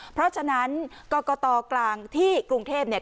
เพราะฉะนั้นกรกตกลางที่กรุงเทพเนี่ย